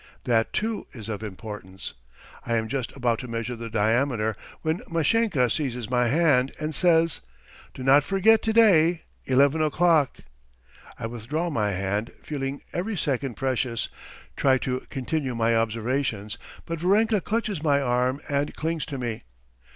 That, too, is of importance. I am just about to measure the diameter when Mashenka seizes my hand, and says: "Do not forget to day, eleven o'clock." I withdraw my hand, feeling every second precious, try to continue my observations, but Varenka clutches my arm and clings to me.